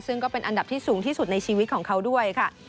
ซึ่งก็เป็นอันดับที่สูงที่สุดในชีวิตของเขาด้วยค่ะ